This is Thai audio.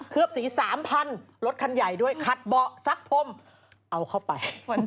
สี๓๐๐รถคันใหญ่ด้วยขัดเบาะซักพรมเอาเข้าไป